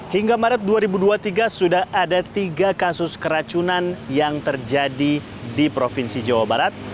hingga maret dua ribu dua puluh tiga sudah ada tiga kasus keracunan yang terjadi di provinsi jawa barat